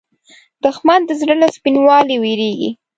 دښمن د زړه له سپینوالي وېرېږي